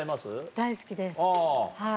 大好きですはい。